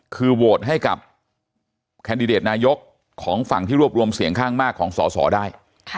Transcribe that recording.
คือโหวตให้กับแคนดิเดตนายกของฝั่งที่รวบรวมเสียงข้างมากของสอสอได้